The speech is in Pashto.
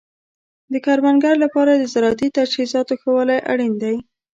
د کروندګرو لپاره د زراعتي تجهیزاتو ښه والی اړین دی.